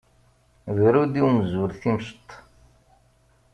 Bru-d i umzur timceṭ.